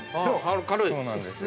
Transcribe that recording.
◆そうなんですよ。